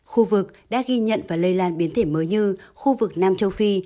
khu vực đã ghi nhận và lây lan biến thể mới như khu vực nam châu phi